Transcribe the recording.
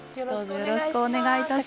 よろしくお願いします